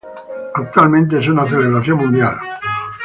Actualmente es una celebración mundial.